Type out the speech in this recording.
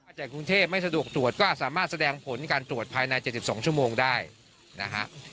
จากกรุงเทพไม่สะดวกตรวจก็สามารถแสดงผลการตรวจภายใน๗๒ชั่วโมงได้นะฮะ